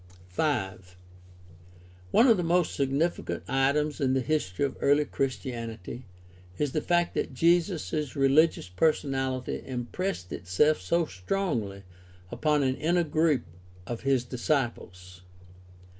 5. One of the most significant items in the history of early Christianity is the fact that Jesus' religious personality impressed itself so strongly upon an inner group of his dis ciples.